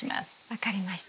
分かりました。